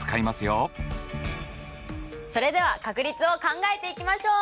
それでは確率を考えていきましょう！